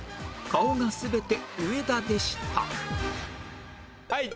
顔が全て上田でしたはい１０。